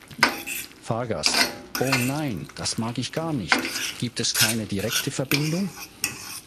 Fahrgast: Oh nein, das mag ich gar nicht – gibt es keine direkte Verbindung?